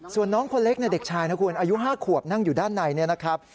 ส่วนน้องคนเล็กเด็กชายนะคุณอายุ๕ขวบนั่งอยู่ด้านในเนี่ยนะครับ